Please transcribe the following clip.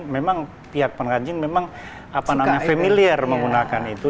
memang pihak pengrajin memang familiar menggunakan itu